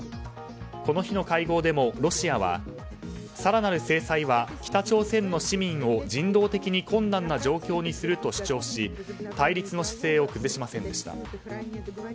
この日の会合でもロシアは更なる制裁は北朝鮮の市民を人道的に困難な状況にすると主張し対立の姿勢を崩しませんでした。